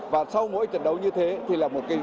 và sau mỗi trận đấu như thế thì là một niềm vui